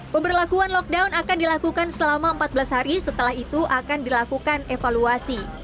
pemberlakuan lockdown akan dilakukan selama empat belas hari setelah itu akan dilakukan evaluasi